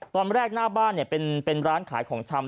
หน้าบ้านเป็นร้านขายของชำ